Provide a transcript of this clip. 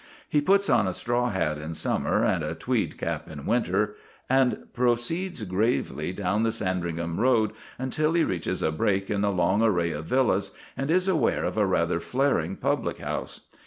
He puts on a straw hat in summer and a tweed cap in winter, and proceeds gravely down the Sandringham Road until he reaches a break in the long array of villas, and is aware of a rather flaring public house.